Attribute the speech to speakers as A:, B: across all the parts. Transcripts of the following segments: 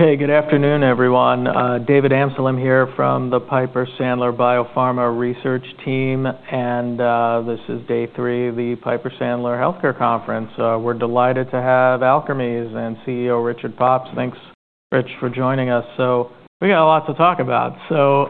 A: Okay, good afternoon, everyone. David Amsellem here from the Piper Sandler Biopharma Research Team, and this is day three of the Piper Sandler Healthcare Conference. We're delighted to have Alkermes and CEO Richard Pops. Thanks, Rich, for joining us, so we got a lot to talk about, so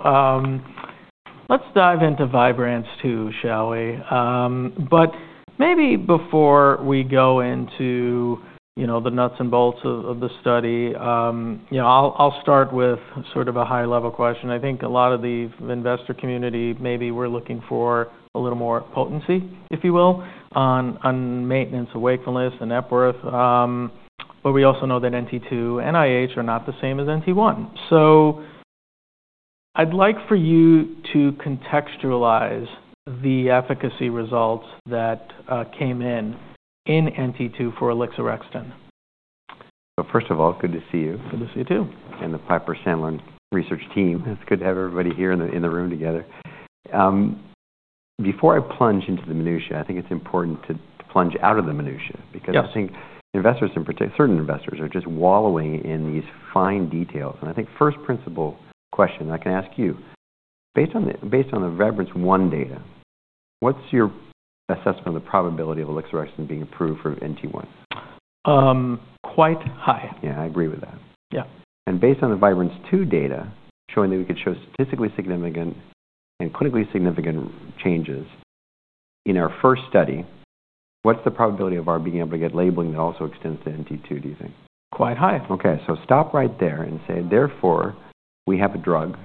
A: let's dive into Vibrance-2, shall we? But maybe before we go into the nuts and bolts of the study, I'll start with sort of a high-level question. I think a lot of the investor community, maybe we're looking for a little more potency, if you will, on maintenance, away from this, and Epworth. But we also know that NT2 and IH are not the same as NT1. So I'd like for you to contextualize the efficacy results that came in NT2 for Alixorexton.
B: So first of all, good to see you.
A: Good to see you too.
B: The Piper Sandler Research Team. It's good to have everybody here in the room together. Before I plunge into the minutia, I think it's important to plunge out of the minutia because I think investors, in particular, certain investors, are just wallowing in these fine details. I think first principle question I can ask you, based on the Vibrance-1 data, what's your assessment of the probability of Alixorexton being approved for NT1?
A: Quite high.
B: Yeah, I agree with that.
A: Yeah.
B: Based on the Vibrance-2 data, showing that we could show statistically significant and clinically significant changes in our first study, what's the probability of our being able to get labeling that also extends to NT2, do you think?
A: Quite high.
B: Okay, so stop right there and say, therefore, we have a drug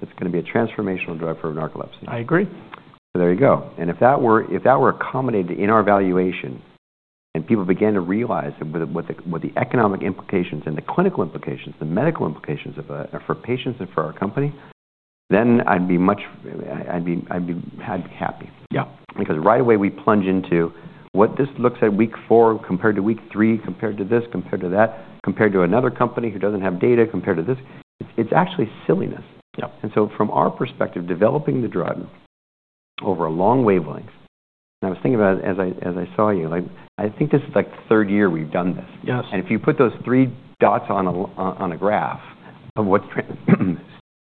B: that's going to be a transformational drug for narcolepsy.
A: I agree.
B: So there you go. And if that were accommodated in our evaluation and people began to realize what the economic implications and the clinical implications, the medical implications for patients and for our company, then I'd be happy.
A: Yeah.
B: Because right away we plunge into what this looks at week four compared to week three, compared to this, compared to that, compared to another company who doesn't have data compared to this. It's actually silliness.
A: Yeah.
B: And so, from our perspective, developing the drug over a long wavelength, and I was thinking about it as I saw you. I think this is like the third year we've done this.
A: Yes.
B: And if you put those three dots on a graph of what's,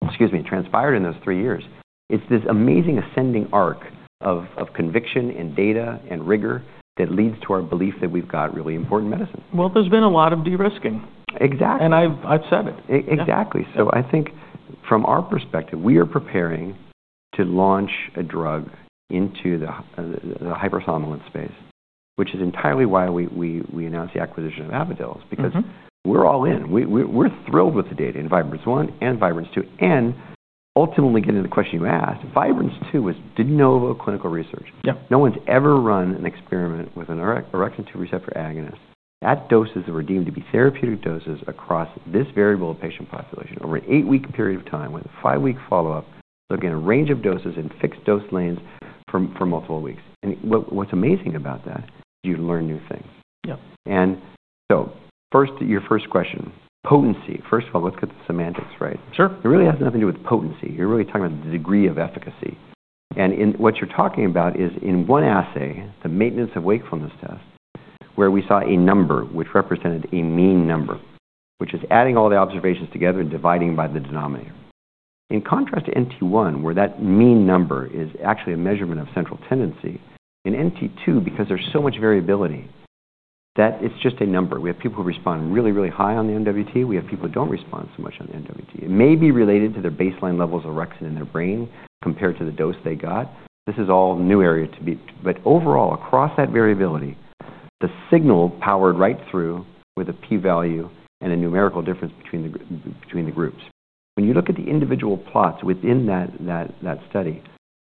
B: excuse me, transpired in those three years, it's this amazing ascending arc of conviction and data and rigor that leads to our belief that we've got really important medicine.
A: There's been a lot of de-risking.
B: Exactly.
A: I've said it.
B: Exactly, so I think from our perspective, we are preparing to launch a drug into the hypersomnolence space, which is entirely why we announced the acquisition of Avadel, because we're all in. We're thrilled with the data in Vibrance-1 and Vibrance-2, and ultimately, getting to the question you asked, Vibrance-2 was de novo clinical research.
A: Yeah.
B: No one's ever run an experiment with an orexin 2 receptor agonist. At doses that were deemed to be therapeutic doses across this variable patient population over an eight-week period of time with a five-week follow-up, looking at a range of doses and fixed dose arms for multiple weeks, and what's amazing about that is you learn new things.
A: Yeah.
B: And so first, your first question, potency. First of all, let's get the semantics right.
A: Sure.
B: It really has nothing to do with potency. You're really talking about the degree of efficacy. And what you're talking about is in one assay, the Maintenance of Wakefulness Test, where we saw a number which represented a mean number, which is adding all the observations together and dividing by the denominator. In contrast to NT1, where that mean number is actually a measurement of central tendency, in NT2, because there's so much variability, that it's just a number. We have people who respond really, really high on the MWT. We have people who don't respond so much on the MWT. It may be related to their baseline levels of orexin in their brain compared to the dose they got. This is all new area to be. But overall, across that variability, the signal powered right through with a p-value and a numerical difference between the groups. When you look at the individual plots within that study,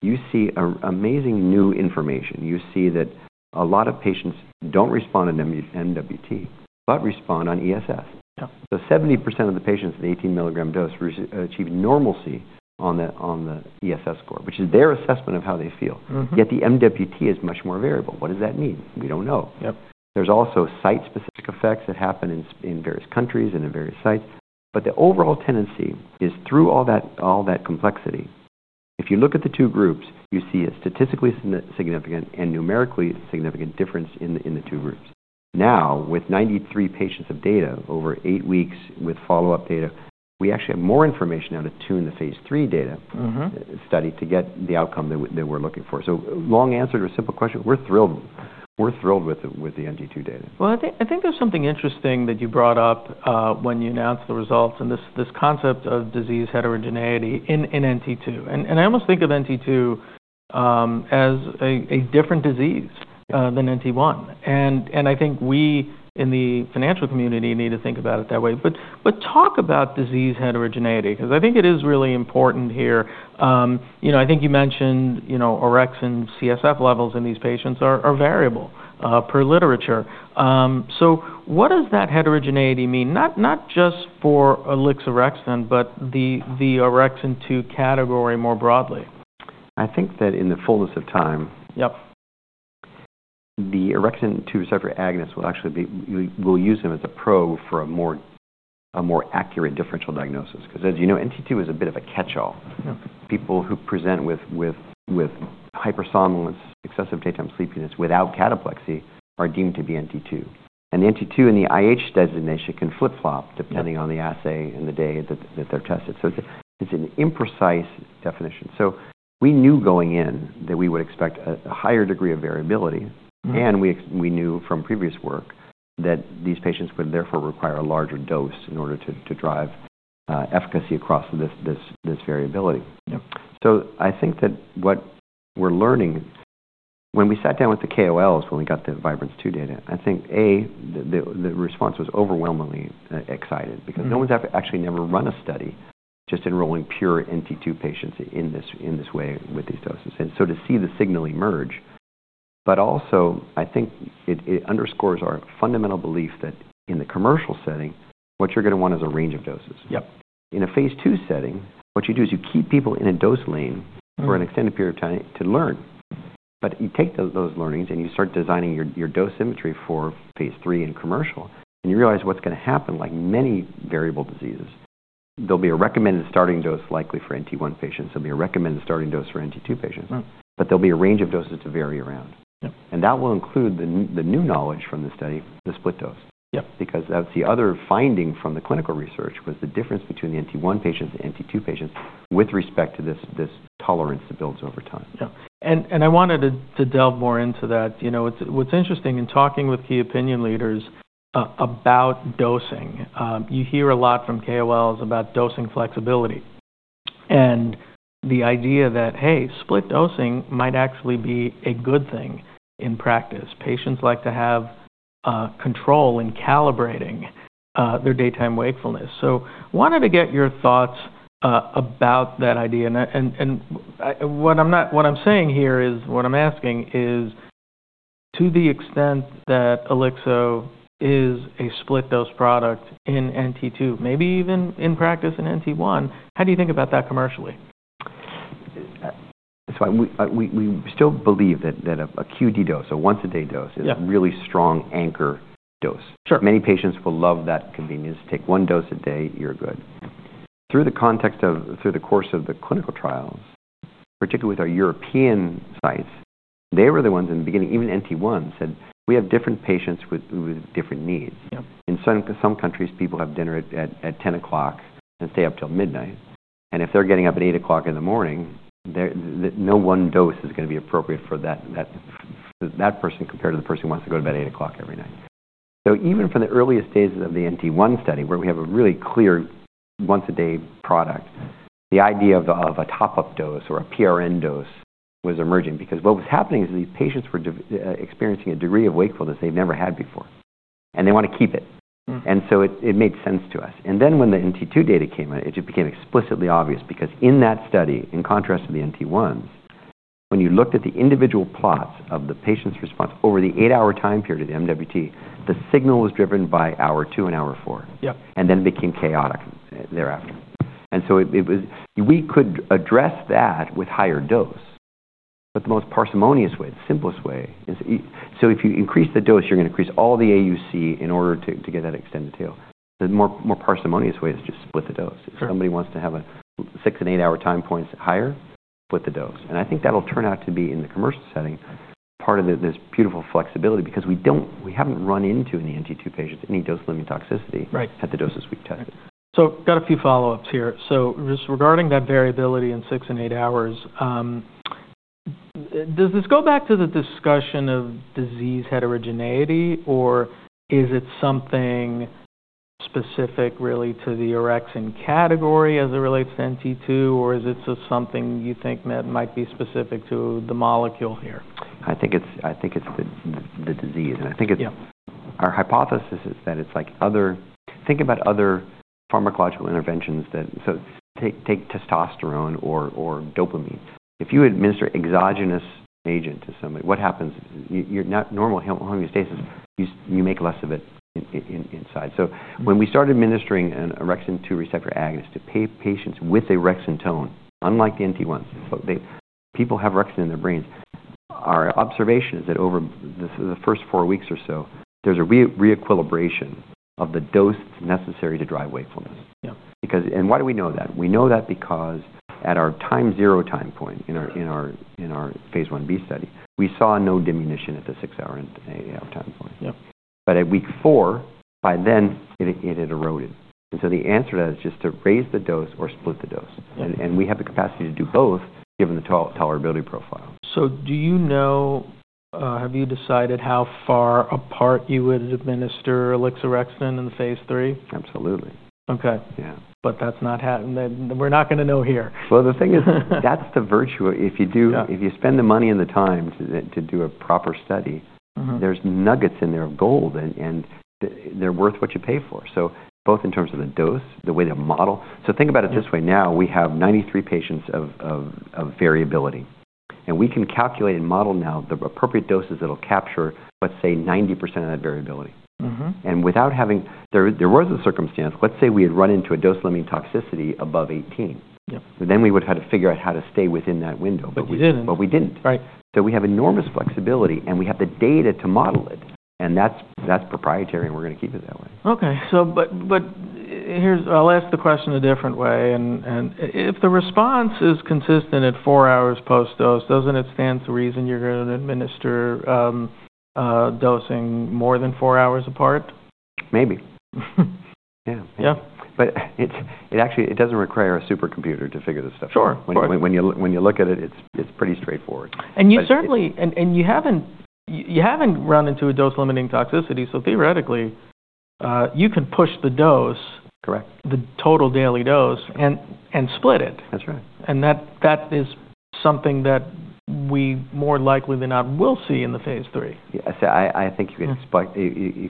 B: you see amazing new information. You see that a lot of patients don't respond on MWT, but respond on ESS.
A: Yeah.
B: 70% of the patients at the 18-milligram dose achieved normalcy on the ESS score, which is their assessment of how they feel. Yet the MWT is much more variable. What does that mean? We don't know.
A: Yeah.
B: There's also site-specific effects that happen in various countries and in various sites. But the overall tendency is through all that complexity, if you look at the two groups, you see a statistically significant and numerically significant difference in the two groups. Now, with 93 patients of data over eight weeks with follow-up data, we actually have more information now to tune the phase III data study to get the outcome that we're looking for. So long answer to a simple question, we're thrilled with the NT2 data.
A: I think there's something interesting that you brought up when you announced the results and this concept of disease heterogeneity in NT2, and I almost think of NT2 as a different disease than NT1, and I think we in the financial community need to think about it that way, but talk about disease heterogeneity, because I think it is really important here. I think you mentioned Orexin CSF levels in these patients are variable per literature, so what does that heterogeneity mean, not just for ALKS 2680, but the Orexin 2 category more broadly.
B: I think that in the fullness of time.
A: Yep.
B: The orexin 2 receptor agonist will actually be, we'll use them as a probe for a more accurate differential diagnosis. Because as you know, NT2 is a bit of a catch-all.
A: Yeah.
B: People who present with hypersomnolence, excessive daytime sleepiness without cataplexy are deemed to be NT2. And NT2 in the IH designation can flip-flop depending on the assay and the day that they're tested. So it's an imprecise definition. So we knew going in that we would expect a higher degree of variability. And we knew from previous work that these patients would therefore require a larger dose in order to drive efficacy across this variability.
A: Yeah.
B: So, I think that what we're learning, when we sat down with the KOLs when we got the Vibrance-2 data, I think, A, the response was overwhelmingly excited because no one's actually never run a study just enrolling pure NT2 patients in this way with these doses. And so to see the signal emerge, but also I think it underscores our fundamental belief that in the commercial setting, what you're going to want is a range of doses.
A: Yep.
B: In a phase II setting, what you do is you keep people in a dose lane for an extended period of time to learn. But you take those learnings and you start designing your dose symmetry for phase III in commercial, and you realize what's going to happen, like many variable diseases, there'll be a recommended starting dose likely for NT1 patients. There'll be a recommended starting dose for NT2 patients.
A: Yeah.
B: But there'll be a range of doses to vary around.
A: Yeah.
B: That will include the new knowledge from the study, the split dose.
A: Yep.
B: Because that's the other finding from the clinical research was the difference between the NT1 patients and NT2 patients with respect to this tolerance that builds over time.
A: Yeah. And I wanted to delve more into that. What's interesting in talking with key opinion leaders about dosing, you hear a lot from KOLs about dosing flexibility. And the idea that, hey, split dosing might actually be a good thing in practice. Patients like to have control in calibrating their daytime wakefulness. So I wanted to get your thoughts about that idea. And what I'm saying here is, what I'm asking is, to the extent that Alixorexton is a split dose product in NT2, maybe even in practice in NT1, how do you think about that commercially?
B: That's why we still believe that a QD dose, a once-a-day dose, is a really strong anchor dose.
A: Sure.
B: Many patients will love that convenience. Take one dose a day, you're good. Through the course of the clinical trials, particularly with our European sites, they were the ones in the beginning, even NT1, said, we have different patients with different needs.
A: Yep.
B: In some countries, people have dinner at 10:00 P.M. and stay up till midnight, and if they're getting up at 8:00 A.M., no one dose is going to be appropriate for that person compared to the person who wants to go to bed at 8:00 P.M. every night, so even from the earliest days of the NT1 study, where we have a really clear once-a-day product, the idea of a top-up dose or a PRN dose was emerging, because what was happening is these patients were experiencing a degree of wakefulness they've never had before, and they want to keep it, and so it made sense to us. Then when the NT2 data came in, it just became explicitly obvious because in that study, in contrast to the NT1s, when you looked at the individual plots of the patient's response over the eight-hour time period of MWT, the signal was driven by hour two and hour four.
A: Yep.
B: Then it became chaotic thereafter. So we could address that with higher dose. The most parsimonious way, the simplest way, is so if you increase the dose, you're going to increase all the AUC in order to get that extended tail. The more parsimonious way is just split the dose.
A: Sure.
B: If somebody wants to have six- and eight-hour time points higher, split the dose. And I think that'll turn out to be in the commercial setting part of this beautiful flexibility because we haven't run into, in the NT2 patients, any dose-limiting toxicity.
A: Right.
B: At the doses we've tested.
A: So got a few follow-ups here. So just regarding that variability in six and eight hours, does this go back to the discussion of disease heterogeneity, or is it something specific really to the orexin category as it relates to NT2, or is it just something you think that might be specific to the molecule here?
B: I think it's the disease. And I think it's.
A: Yeah.
B: Our hypothesis is that it's like other. Think about other pharmacological interventions that. So take testosterone or dopamine. If you administer exogenous agent to somebody, what happens? Your normal homeostasis, you make less of it inside. So when we started administering an orexin 2 receptor agonist to patients with a orexin tone, unlike the NT1s, people have orexin in their brains. Our observation is that over the first four weeks or so, there's a reequilibration of the dose that's necessary to drive wakefulness.
A: Yeah.
B: Because, and why do we know that? We know that because at our time zero time point in our phase I-B study, we saw no diminution at the six-hour and eight-hour time point.
A: Yeah.
B: But at week four, by then, it had eroded. And so the answer to that is just to raise the dose or split the dose.
A: Yeah.
B: We have the capacity to do both given the tolerability profile.
A: Do you know, have you decided how far apart you would administer Alixorexton in phase III?
B: Absolutely.
A: Okay.
B: Yeah.
A: But that's not happening. We're not going to know here.
B: The thing is, that's the virtue. If you do, if you spend the money and the time to do a proper study, there's nuggets in there of gold, and they're worth what you pay for. So both in terms of the dose, the way to model. So think about it this way. Now we have 93 patients of variability. And we can calculate and model now the appropriate doses that'll capture, let's say, 90% of that variability. And without having, there was a circumstance, let's say we had run into a dose-limiting toxicity above 18.
A: Yep.
B: Then we would have had to figure out how to stay within that window.
A: But you didn't.
B: But we didn't.
A: Right.
B: We have enormous flexibility, and we have the data to model it. That's proprietary, and we're going to keep it that way.
A: Okay. So, but here's, I'll ask the question a different way. And if the response is consistent at four hours post-dose, doesn't it stand to reason you're going to administer dosing more than four hours apart?
B: Maybe.
A: Yeah.
B: Yeah. But it actually, it doesn't require a supercomputer to figure this stuff out.
A: Sure.
B: When you look at it, it's pretty straightforward.
A: You certainly haven't run into a dose-limiting toxicity, so theoretically, you can push the dose.
B: Correct.
A: The total daily dose and split it.
B: That's right.
A: That is something that we more likely than not will see in the phase III.
B: Yeah. I think you can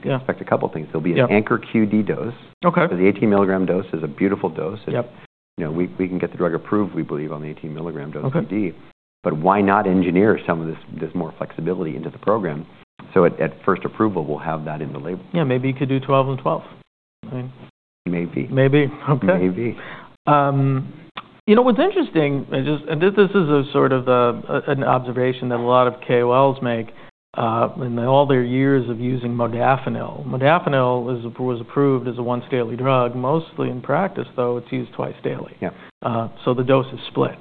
B: expect a couple of things. There'll be an anchor QD dose.
A: Okay.
B: Because the 18-milligram dose is a beautiful dose.
A: Yep.
B: We can get the drug approved, we believe, on the 18-milligram dose QD.
A: Okay.
B: But why not engineer some of this more flexibility into the program? So at first approval, we'll have that in the label.
A: Yeah. Maybe you could do 12 and 12.
B: Maybe.
A: Maybe. Okay.
B: Maybe.
A: You know, what's interesting, and this is a sort of an observation that a lot of KOLs make in all their years of using modafinil. Modafinil was approved as a once-daily drug. Mostly in practice, though, it's used twice daily.
B: Yeah.
A: So the dose is split.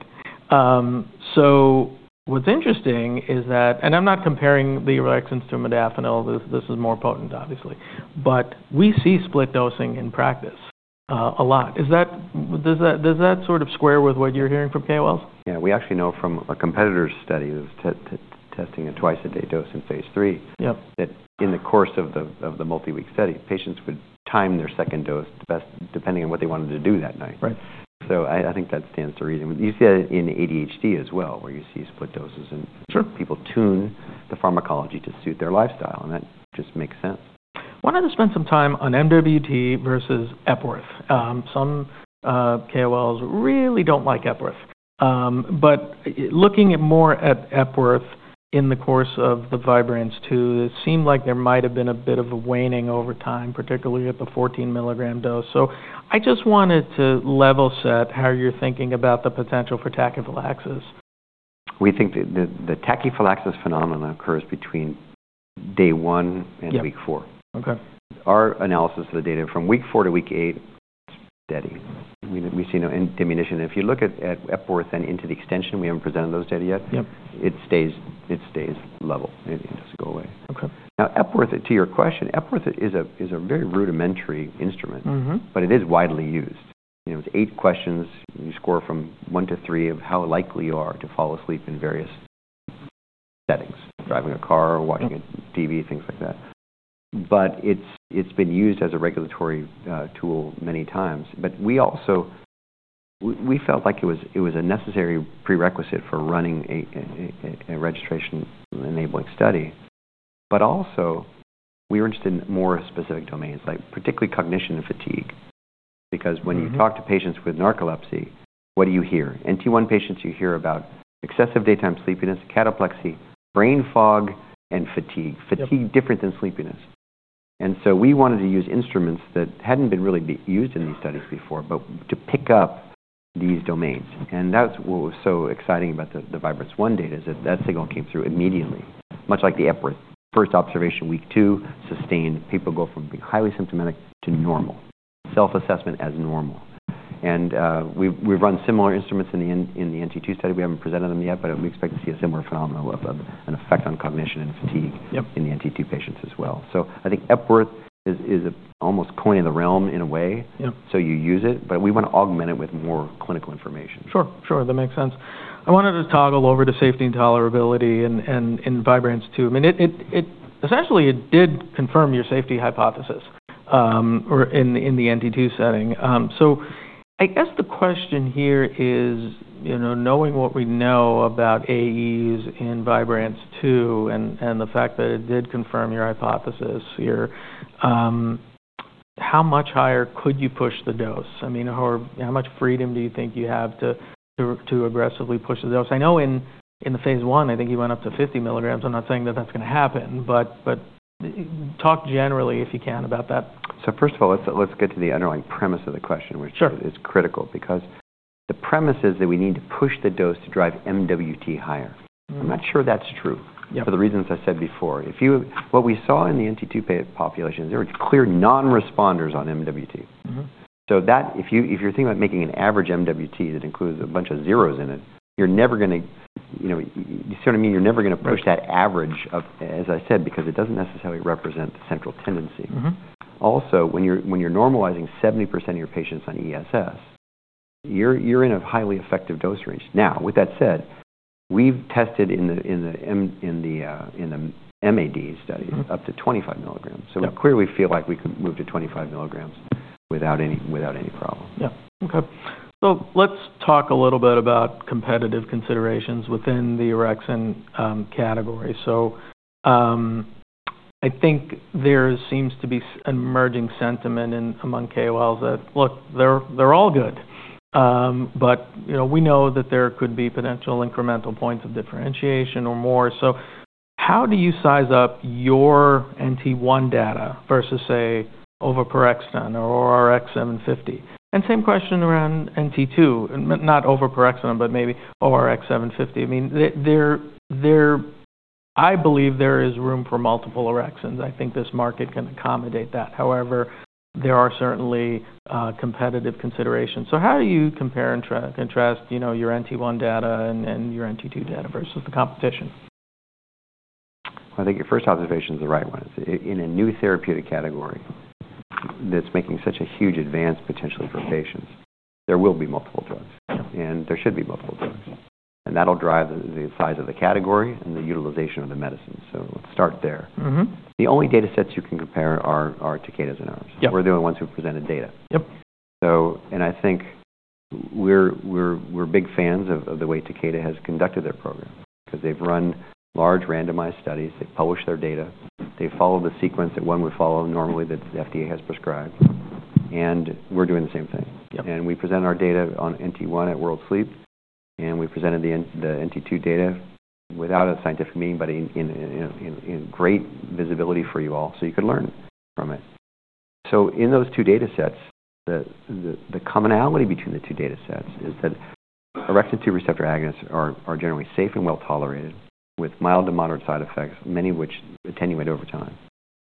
A: So what's interesting is that, and I'm not comparing the orexins to modafinil. This is more potent, obviously. But we see split dosing in practice a lot. Is that, does that sort of square with what you're hearing from KOLs?
B: Yeah. We actually know from a competitor's study that was testing a twice-a-day dose in phase III.
A: Yep.
B: That in the course of the multi-week study, patients would time their second dose depending on what they wanted to do that night.
A: Right.
B: So I think that stands to reason. You see that in ADHD as well, where you see split doses.
A: Sure.
B: People tune the pharmacology to suit their lifestyle. That just makes sense.
A: Why not just spend some time on MWT versus Epworth? Some KOLs really don't like Epworth. But looking more at Epworth in the course of the Vibrance-2, it seemed like there might have been a bit of a waning over time, particularly at the 14-milligram dose. So I just wanted to level set how you're thinking about the potential for tachyphylaxis.
B: We think that the tachyphylaxis phenomenon occurs between day one and week four.
A: Yep. Okay.
B: Our analysis of the data from week four to week eight, steady. We see no diminution. If you look at Epworth and into the extension, we haven't presented those data yet.
A: Yep.
B: It stays level. It doesn't go away.
A: Okay.
B: Now, Epworth, to your question, Epworth is a very rudimentary instrument.
A: Mm-hmm.
B: But it is widely used. It's eight questions. You score from one to three of how likely you are to fall asleep in various settings: driving a car, watching a TV, things like that. But it's been used as a regulatory tool many times. But we also, we felt like it was a necessary prerequisite for running a registration-enabling study. But also, we were interested in more specific domains, like particularly cognition and fatigue. Because when you talk to patients with narcolepsy, what do you hear? NT1 patients, you hear about excessive daytime sleepiness, cataplexy, brain fog, and fatigue.
A: Yeah.
B: Fatigue different than sleepiness. We wanted to use instruments that hadn't been really used in these studies before, but to pick up these domains. That's what was so exciting about the Vibrance-1 data. That signal came through immediately. Much like the Epworth, first observation, week two, sustained, people go from being highly symptomatic to normal. Self-assessment as normal. We've run similar instruments in the NT2 study. We haven't presented them yet, but we expect to see a similar phenomenon of an effect on cognition and fatigue.
A: Yep.
B: In the NT2 patients as well. So I think Epworth is almost coin of the realm in a way.
A: Yep.
B: So you use it, but we want to augment it with more clinical information.
A: Sure. Sure. That makes sense. I wanted to toggle over to safety and tolerability in Vibrance-2. I mean, it essentially, it did confirm your safety hypothesis in the NT2 setting. So I guess the question here is, knowing what we know about AEs in Vibrance-2 and the fact that it did confirm your hypothesis here, how much higher could you push the dose? I mean, how much freedom do you think you have to aggressively push the dose? I know in the phase I, I think you went up to 50 milligrams. I'm not saying that that's going to happen. But talk generally, if you can, about that.
B: So first of all, let's get to the underlying premise of the question, which is critical.
A: Sure.
B: Because the premise is that we need to push the dose to drive MWT higher. I'm not sure that's true.
A: Yep.
B: For the reasons I said before. If you, what we saw in the NT2 population, there were clear non-responders on MWT. So that, if you're thinking about making an average MWT that includes a bunch of zeros in it, you're never going to, you see what I mean? You're never going to push that average of, as I said, because it doesn't necessarily represent the central tendency.
A: Mm-hmm.
B: Also, when you're normalizing 70% of your patients on ESS, you're in a highly effective dose range. Now, with that said, we've tested in the MAD studies up to 25 milligrams.
A: Right.
B: So we clearly feel like we could move to 25 milligrams without any problem.
A: Yeah. Okay. So let's talk a little bit about competitive considerations within the orexin category. So I think there seems to be an emerging sentiment among KOLs that, look, they're all good. But we know that there could be potential incremental points of differentiation or more. So how do you size up your NT1 data versus, say, Orexin agent or ORX750? And same question around NT2, not Orexin agent, but maybe ORX750. I mean, I believe there is room for multiple orexins. I think this market can accommodate that. However, there are certainly competitive considerations. So how do you compare and contrast your NT1 data and your NT2 data versus the competition?
B: I think your first observation is the right one. In a new therapeutic category that's making such a huge advance potentially for patients, there will be multiple drugs.
A: Yep.
B: And there should be multiple drugs. And that'll drive the size of the category and the utilization of the medicine. So let's start there.
A: Mm-hmm.
B: The only data sets you can compare are Takeda's and ours.
A: Yep.
B: We're the only ones who presented data.
A: Yep.
B: And I think we're big fans of the way Takeda has conducted their program. Because they've run large randomized studies, they've published their data, they follow the sequence that one would follow normally that the FDA has prescribed. And we're doing the same thing.
A: Yep.
B: And we presented our data on NT1 at World Sleep, and we presented the NT2 data without a scientific meeting, but in great visibility for you all so you could learn from it. So in those two data sets, the commonality between the two data sets is that orexin 2 receptor agonists are generally safe and well tolerated with mild to moderate side effects, many of which attenuate over time.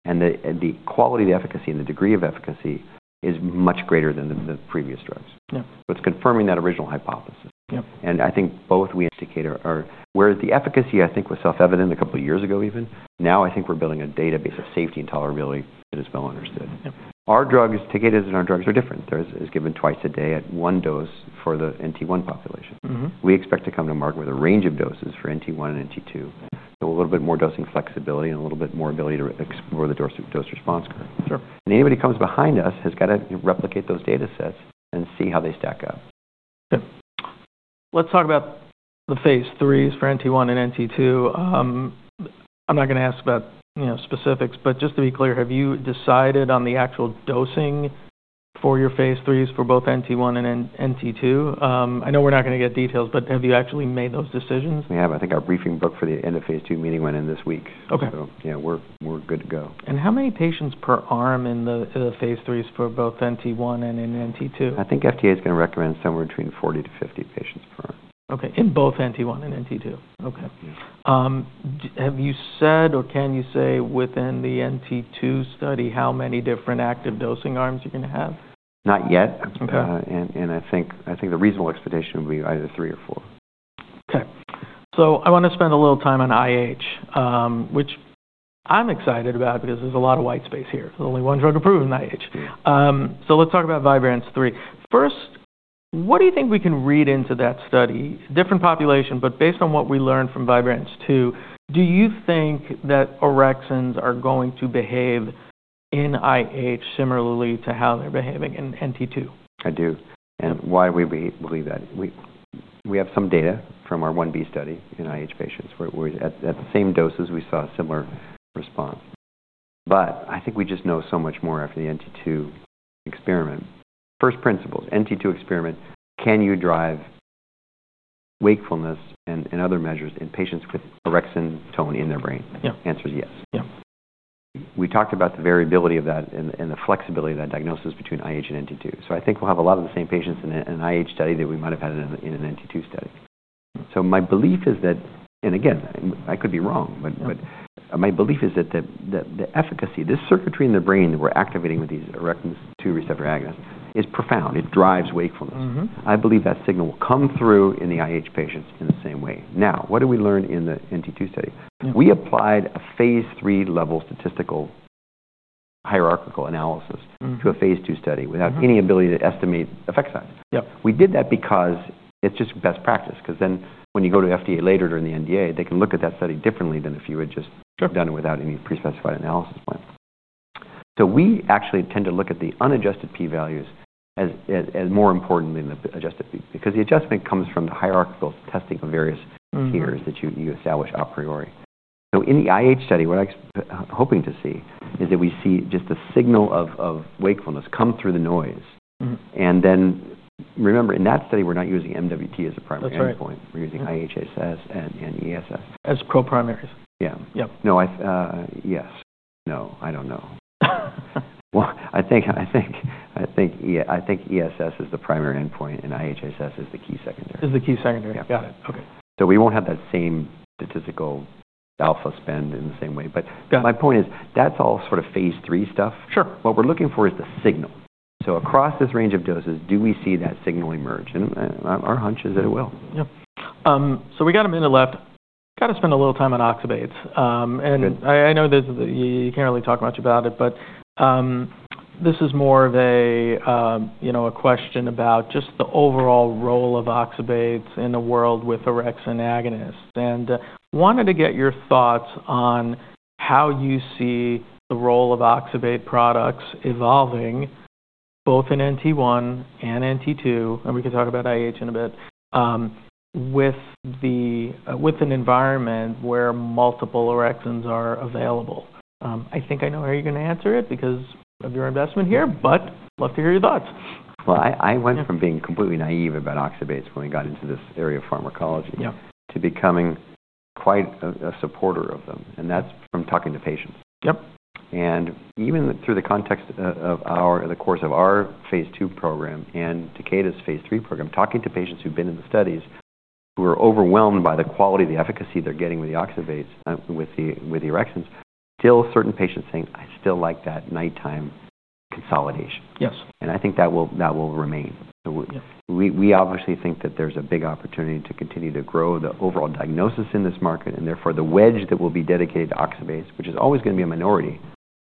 B: And the quality, the efficacy, and the degree of efficacy is much greater than the previous drugs.
A: Yep.
B: So it's confirming that original hypothesis.
A: Yep.
B: And I think both we and Takeda are, whereas the efficacy, I think, was self-evident a couple of years ago even, now I think we're building a database of safety and tolerability that is well understood.
A: Yep.
B: Our drugs, Takeda's and our drugs, are different. Theirs is given twice a day at one dose for the NT1 population.
A: Mm-hmm.
B: We expect to come to market with a range of doses for NT1 and NT2. So a little bit more dosing flexibility and a little bit more ability to explore the dose-response curve.
A: Sure.
B: Anybody who comes behind us has got to replicate those data sets and see how they stack up.
A: Yep. Let's talk about the phase IIIs for NT1 and NT2. I'm not going to ask about specifics, but just to be clear, have you decided on the actual dosing for your phase IIIs for both NT1 and NT2? I know we're not going to get details, but have you actually made those decisions?
B: We have. I think our briefing book for the end of phase II meeting went in this week.
A: Okay.
B: So, yeah, we're good to go.
A: How many patients per arm in the phase IIIs for both NT1 and NT2?
B: I think FDA is going to recommend somewhere between 40 to 50 patients per arm.
A: Okay. In both NT1 and NT2. Okay.
B: Yeah.
A: Have you said, or can you say, within the NT2 study, how many different active dosing arms you're going to have?
B: Not yet.
A: Okay.
B: I think the reasonable expectation would be either three or four.
A: Okay. So I want to spend a little time on IH, which I'm excited about because there's a lot of white space here. There's only one drug approved in IH.
B: Yeah.
A: Let's talk about Vibrance-3. First, what do you think we can read into that study? Different population, but based on what we learned from Vibrance-2, do you think that orexins are going to behave in IH similarly to how they're behaving in NT2?
B: I do, and why do we believe that? We have some data from our 1b study in IH patients where at the same doses, we saw a similar response, but I think we just know so much more after the NT2 experiment. First principle, NT2 experiment, can you drive wakefulness and other measures in patients with orexin tone in their brain?
A: Yep.
B: Answer is yes.
A: Yep.
B: We talked about the variability of that and the flexibility of that diagnosis between IH and NT2. So I think we'll have a lot of the same patients in an IH study that we might have had in an NT2 study. So my belief is that, and again, I could be wrong, but my belief is that the efficacy, the circuitry in the brain that we're activating with these orexin 2 receptor agonists is profound. It drives wakefulness.
A: Mm-hmm.
B: I believe that signal will come through in the IH patients in the same way. Now, what did we learn in the NT2 study?
A: Yep.
B: We applied a phase III level statistical hierarchical analysis to a phase II study without any ability to estimate effect size.
A: Yep.
B: We did that because it's just best practice. Because then when you go to FDA later during the NDA, they can look at that study differently than if you had just.
A: Sure.
B: Done it without any pre-specified analysis plan. So we actually tend to look at the unadjusted P values as more important than the adjusted P. Because the adjustment comes from the hierarchical testing of various tiers that you establish a priori. So in the IH study, what I'm hoping to see is that we see just the signal of wakefulness come through the noise.
A: Mm-hmm.
B: Remember, in that study, we're not using MWT as a primary endpoint.
A: That's right.
B: We're using IHSS and ESS.
A: As co-primaries.
B: Yeah.
A: Yep.
B: No, I yes. No, I don't know. Well, I think ESS is the primary endpoint and IHSS is the key secondary.
A: Is the key secondary.
B: Yeah.
A: Got it. Okay.
B: So we won't have that same statistical alpha spend in the same way.
A: Got it.
B: But my point is, that's all sort of phase III stuff.
A: Sure.
B: What we're looking for is the signal. So across this range of doses, do we see that signal emerge? And our hunch is that it will.
A: Yep, so we got a minute left. Got to spend a little time on oxybates.
B: Good.
A: And I know you can't really talk much about it, but this is more of a question about just the overall role of oxybates in the world with orexin agonists. And wanted to get your thoughts on how you see the role of oxybate products evolving, both in NT1 and NT2, and we can talk about IH in a bit, with an environment where multiple orexins are available. I think I know how you're going to answer it because of your investment here, but love to hear your thoughts.
B: I went from being completely naive about oxybates when we got into this area of pharmacology.
A: Yep.
B: To becoming quite a supporter of them. And that's from talking to patients.
A: Yep.
B: Even through the context of the course of our phase II program and Takeda's phase III program, talking to patients who've been in the studies who are overwhelmed by the quality of the efficacy they're getting with the oxybates, with the orexins, still certain patients saying, "I still like that nighttime consolidation.
A: Yes.
B: And I think that will remain.
A: Yep.
B: We obviously think that there's a big opportunity to continue to grow the overall diagnosis in this market, and therefore the wedge that will be dedicated to oxybates, which is always going to be a minority,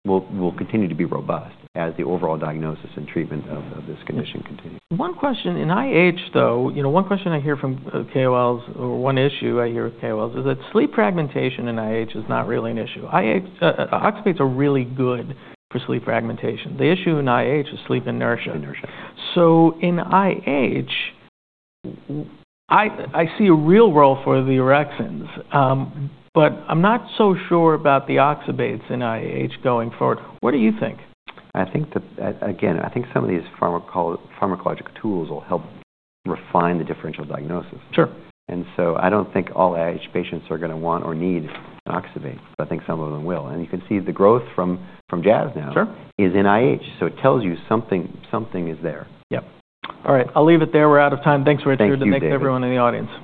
B: will continue to be robust as the overall diagnosis and treatment of this condition continues.
A: One question, in IH though, one question I hear from KOLs, or one issue I hear with KOLs is that sleep fragmentation in IH is not really an issue. Oxybates are really good for sleep fragmentation. The issue in IH is sleep inertia.
B: Inertia.
A: So in IH, I see a real role for the orexins. But I'm not so sure about the oxybates in IH going forward. What do you think?
B: I think that, again, I think some of these pharmacological tools will help refine the differential diagnosis.
A: Sure.
B: And so I don't think all IH patients are going to want or need oxybate. But I think some of them will. And you can see the growth from Jazz now.
A: Sure.
B: Is in IH. So it tells you something is there.
A: Yep. All right. I'll leave it there. We're out of time. Thanks for.
B: Thank you.
A: Thanks to everyone in the audience.